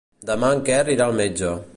Demà en Quer irà al metge.